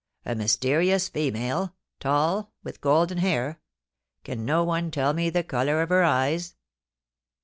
A mys terious female — tall, with golden hair. Can no one tell me the colour of her eyes